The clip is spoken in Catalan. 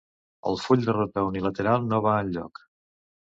El full de ruta unilateral no va enlloc